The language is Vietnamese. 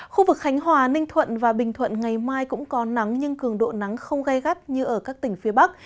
khu vực khánh hòa ninh thuận và bình thuận ngày mai cũng có nắng nhưng cường độ nắng không gai gắt như ở các tỉnh phía bắc